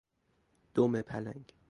دم پلنگ